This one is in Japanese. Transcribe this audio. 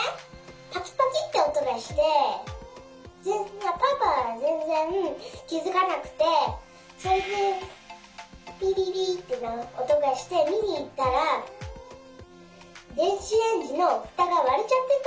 パキパキっておとがしてパパはぜんぜんきづかなくてそれでピピピっておとがしてみにいったらでんしレンジのふたがわれちゃってたんだよ。